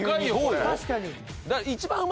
確かに。